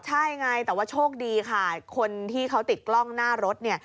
ใช่ไงแต่ว่าโชคดีค่ะคนที่เขาติดกล้องหน้ารถเนี่ย